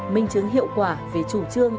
mình chứng hiệu quả về chủ trương